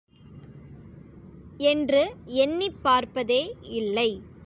என்று எண்ணிப் பார்ப்பதே இல்லை.